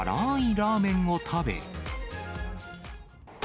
ラーメンを食べ。